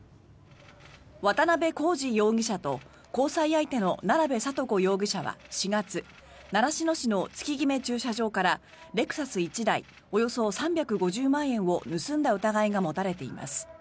渡邉功二容疑者と交際相手の奈良部哲子容疑者は４月習志野市の月決め駐車場からレクサス１台およそ３５０万円を盗んだ疑いが持たれています。